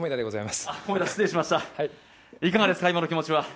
いかがですか、今の気持ちは？